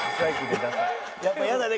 やっぱ嫌だね